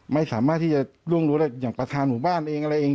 ไม่สามารถที่จะร่วงรู้ได้อย่างประธานหมู่บ้านเองอะไรเอง